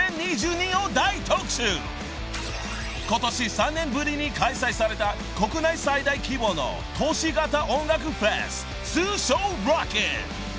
［ことし３年ぶりに開催された国内最大規模の都市型音楽フェス通称ロッキン］